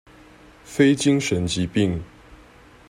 非精神疾病